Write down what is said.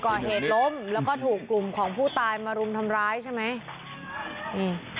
ก่อเหตุล้มแล้วก็ถูกกลุ่มของผู้ตายมารุมทำร้ายใช่ไหมนี่